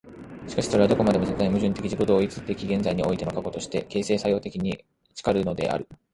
しかしそれはどこまでも絶対矛盾的自己同一的現在においての過去として、形成作用的に然るのである。